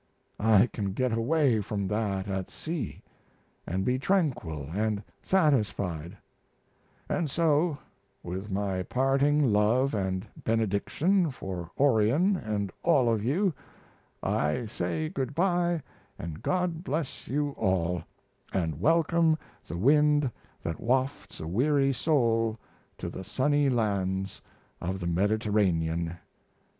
I can get away from that at sea, and be tranquil and satisfied; and so, with my parting love and benediction for Orion and all of you, I say good by and God bless you all and welcome the wind that wafts a weary soul to the sunny lands of the Mediterranean!